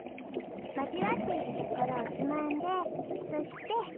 まじわっているところをつまんでそして。